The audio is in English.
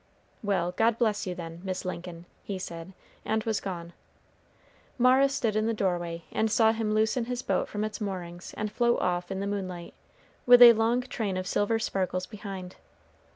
"Well, God bless you, then, Miss Lincoln," he said, and was gone. Mara stood in the doorway and saw him loosen his boat from its moorings and float off in the moonlight, with a long train of silver sparkles behind.